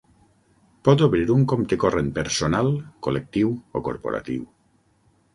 Pot obrir un compte corrent personal, col·lectiu, o corporatiu.